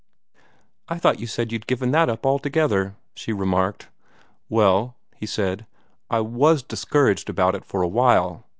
"I thought you said you'd given that up altogether," she remarked. "Well," he said, "I WAS discouraged about it for a while.